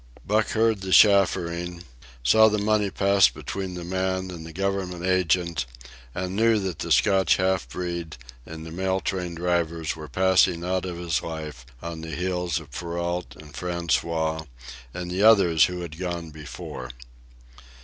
Buck heard the chaffering, saw the money pass between the man and the Government agent, and knew that the Scotch half breed and the mail train drivers were passing out of his life on the heels of Perrault and François and the others who had gone before.